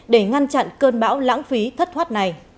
để ngăn chặn cơn bão lãng phí thất thoát này